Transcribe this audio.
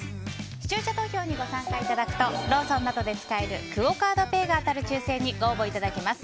視聴者投票にご参加いただくとローソンなどで使えるクオ・カードペイが当たる抽選にご応募いただけます。